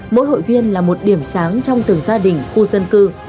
mỗi hội viên là một điểm sáng trong từng gia đình khu dân cư